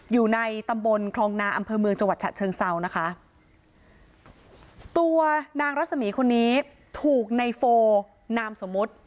อยู่ในตำบลคลองนาอำเภอเมืองจังหวัดฉะเชิงเซานะคะตัวนางรัศมีคนนี้ถูกในโฟนามสมมุติ